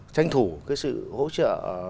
tranh thủ cái sự hỗ trợ